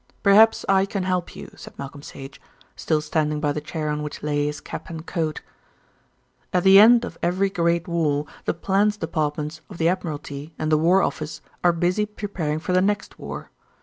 "Perhaps I can help you," said Malcolm Sage, still standing by the chair on which lay his cap and coat. "At the end of every great war the Plans Departments of the Admiralty and the War Office are busy preparing for the next war.